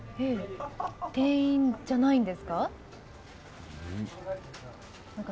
店員じゃないんですか？